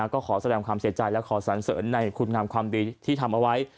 ก็ขอแสดงความเสียใจและขอสรรเสริญในคุณงามความดีที่ทำเอาไว้